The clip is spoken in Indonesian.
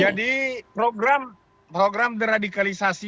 jadi program deradikalisasi